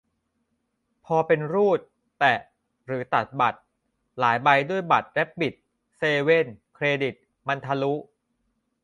พอเป็นรูด แตะ หรือตัดบัตร หลายใบด้วย แรบบิต เซเว่น เครดิต มันทะลุ